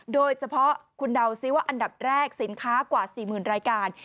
โดยเฉพาะคุณเดาซิว่าอันดับแรกสินค้ากว่า๔๐๐๐รายการ